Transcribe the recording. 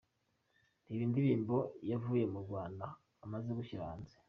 Reba indirimbo yavuye mu Rwanda amaze gushyira hanze:.